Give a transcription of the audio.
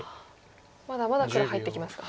まだまだ黒入ってきますか。